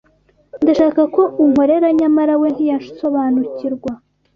ndashaka ko unkorera nyamara we ntiyasobanukirwa